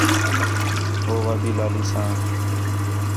ہو وا بھی لالیساں